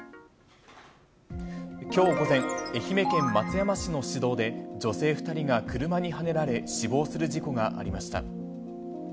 きょう午前、愛媛県松山市の市道で、女性２人が車にはねられ、死亡する事故がありました。